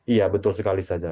iya betul sekali saja